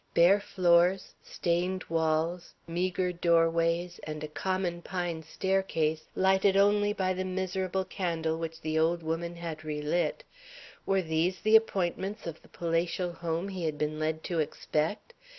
Bare floors, stained walls, meagre doorways, and a common pine staircase, lighted only by the miserable candle which the old woman had relit were these the appointments of the palatial home he had been led to expect?